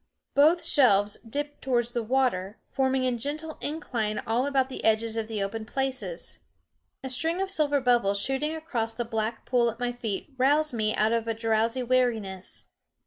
Both shelves dipped towards the water, forming a gentle incline all about the edges of the open places. A string of silver bubbles shooting across the black pool at my feet roused me out of a drowsy weariness.